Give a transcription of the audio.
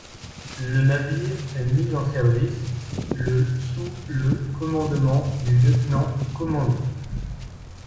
Le navire est mis en service le sous le commandement du Lieutenant commander .